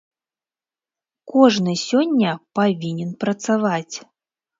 Кожны сёння павінен працаваць.